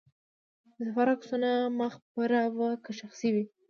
د سفر عکسونه مه خپره وه، که شخصي وي.